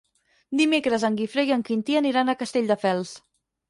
Dimecres en Guifré i en Quintí aniran a Castelldefels.